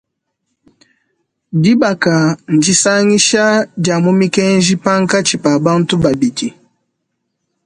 Dibaka ndisangisha dia mu mikenji pankatshi pa bantu babidi.